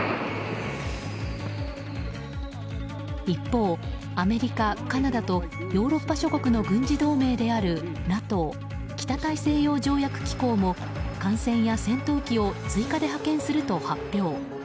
一方、アメリカ、カナダとヨーロッパ諸国の軍事同盟であるＮＡＴＯ・北大西洋条約機構も艦船や戦闘機を追加で派遣すると発表。